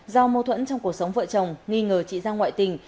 do mâu thuẫn trong cuộc sống vợ chồng nghi ngờ chị giang ngoại tình